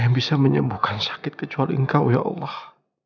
yang bisa menyembuhkan sakit kecuali engkau ya allah